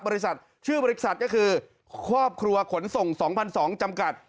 บริษัทชื่อบริษัทก็คือครอบครัวขนส่งสองพันสองจำกัด